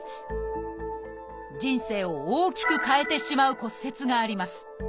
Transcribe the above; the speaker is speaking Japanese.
今日は人生を大きく変えてしまう骨折があります。